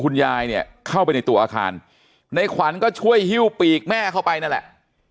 คุณยายเนี่ยเข้าไปในตัวอาคารในขวัญก็ช่วยฮิ้วปีกแม่เข้าไปนั่นแหละ